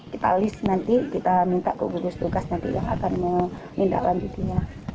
kita list nanti kita minta ke gugus tugas nanti yang akan menindaklanjutinya